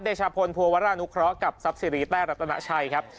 เดชาพลภัวรานุเคราะห์กับซับซีรีส์แต้รัตนาชัยครับ